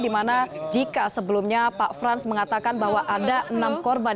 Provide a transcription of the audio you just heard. dimana jika sebelumnya pak frans mengatakan bahwa ada enam korban